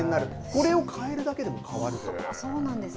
これを変えるだけでも変わると思います。